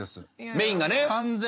メインがね。